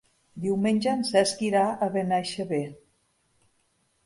Diumenge en Cesc irà a Benaixeve.